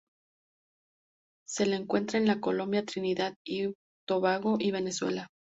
Se la encuentra en Colombia, Trinidad y Tobago, y Venezuela.